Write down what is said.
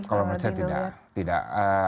kalau menurut saya tidak